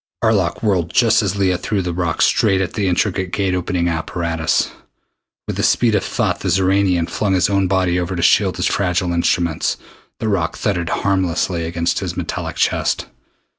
Arlok whirled just as Leah threw the rock straight at the intricate Gate opening apparatus. With the speed of thought the Xoranian flung his own body over to shield his fragile instruments. The rock thudded harmlessly against his metallic chest.